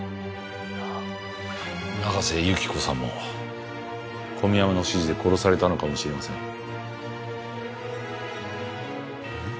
中瀬由紀子さんも小宮山の指示で殺されたのかもしれません。